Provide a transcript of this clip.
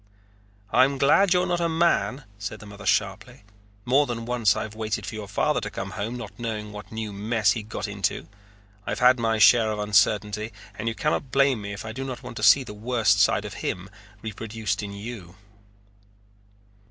"I am glad you're not a man," said the mother sharply. "More than once I've waited for your father to come home, not knowing what new mess he had got into. I've had my share of uncertainty and you cannot blame me if I do not want to see the worst side of him reproduced in you."